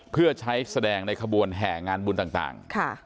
เพื่อใช้แสดงในขบวนแห่งานบุญต่าง